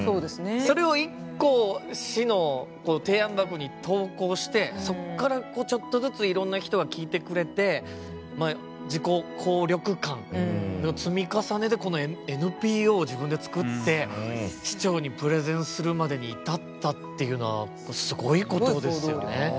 それを一個、市の提案箱に投稿して、そっからちょっとずついろんな人が聴いてくれてまあ、自己効力感の積み重ねでこのＮＰＯを自分で作って市長にプレゼンするまでに至ったっていうのはすごいことですよね。